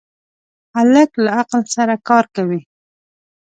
هلک له عقل سره کار کوي.